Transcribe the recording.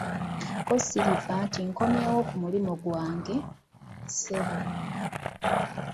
Ko Silver nti Nkomyewo ku mulimu gwange, ssebo.